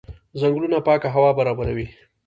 ځنګلونه پاکه هوا برابروي.